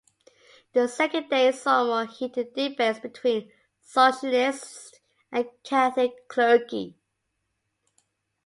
The second day saw more heated debates between socialists and Catholic clergy.